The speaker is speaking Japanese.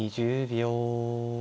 ２０秒。